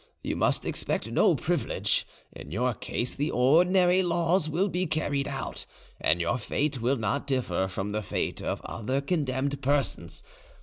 You must expect no privilege; in your case the ordinary laws will be carried out, and your fate will not differ from the fate of other condemned persons.